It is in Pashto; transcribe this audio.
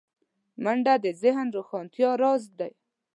منډه د ذهن روښانتیا راز دی